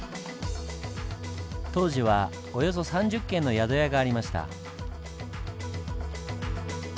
当時はおよそ３０軒の宿屋がありました。